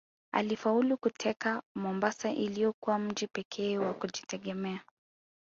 Alifaulu kuteka Mombasa iliyokuwa mji pekee wa kujitegemea